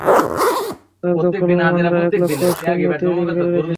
তারা দেখল, রোমানরা এক লক্ষ সৈন্য তৈরী করে রেখেছে।